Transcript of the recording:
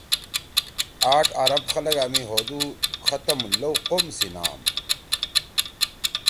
آٹھ ارب خلگا می ہودُو ختم لؤ قوم سی نام